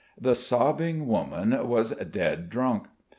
The sobbing woman was dead drunk.